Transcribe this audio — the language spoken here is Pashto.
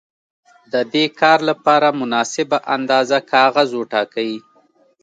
د دې کار لپاره مناسبه اندازه کاغذ وټاکئ.